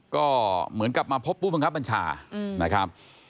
ก็เหมือนกับมาพบผู้บังคับบัญชานะครับ